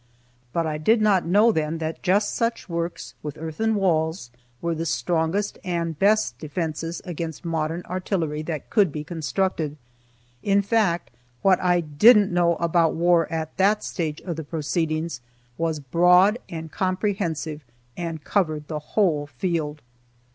But I did not know then that just such works, with earthen walls, were the strongest and best defenses against modern artillery that could be constructed. In fact, what I didn't know about war, at that stage of the proceedings, was broad and comprehensive, and covered the whole field.